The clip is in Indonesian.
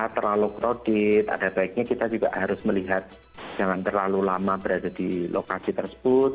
terlalu crowded ada baiknya kita juga harus melihat jangan terlalu lama berada di lokasi tersebut